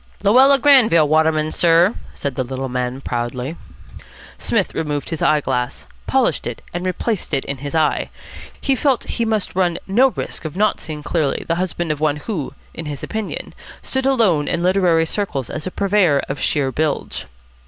"Luella Granville Waterman, sir," said the little man proudly. Psmith removed his eye glass, polished it, and replaced it in his eye. He felt that he must run no risk of not seeing clearly the husband of one who, in his opinion, stood alone in literary circles as a purveyor of sheer bilge.